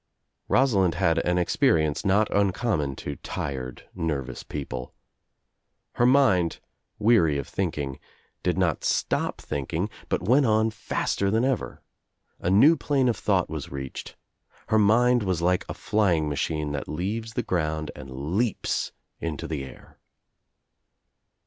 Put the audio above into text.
Rosalind had an experience not uncommon to tired nervous people. Her mind, weary of thinking, did not stop thinking but went on faster than ever. A new plane of thought was reached. Her mind was like a Bying >machine that leaves the ground and leaps Into the air.